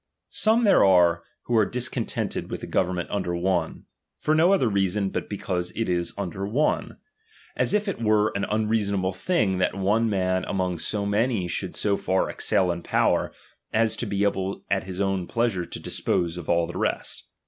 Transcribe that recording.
X. 4. Some there are, wlio are discontented with ^^'^_ the government under one, for no other reason but meiit of one can ^cause It is undcr one ; as if it were an unreason baeiii in itin sble thing, that one man among so many should so ™wai^«e far excel in power, as to be able at his own plea^ "ra" ^"""^*° dispose of all the rest.